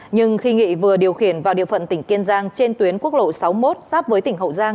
nhưng khi nghị vừa điều khiển vào địa phận tỉnh kiên giang trên tuyến quốc lộ sáu mươi một giáp với tỉnh hậu giang